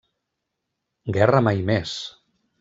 Guerra mai més!